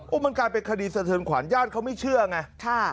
มันกลายเป็นคดีสะเทินขวานญาติเขาไม่เชื่อไง